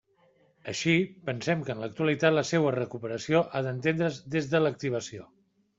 Així, pensem que en l'actualitat la seua recuperació ha d'entendre's des de l'«activació».